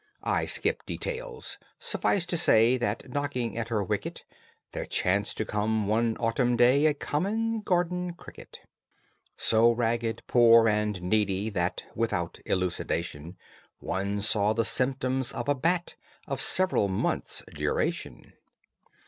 I skip details. Suffice to say That, knocking at her wicket, There chanced to come one autumn day A common garden cricket So ragged, poor, and needy that, Without elucidation, One saw the symptoms of a bat Of several months' duration.